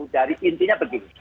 dari intinya begini